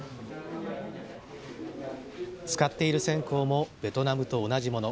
使っている線香もベトナムと同じもの。